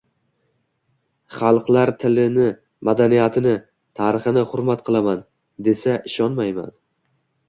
xalqlarningtilini, madaniyatini, tarixini hurmat qilaman, desa ishonmayman.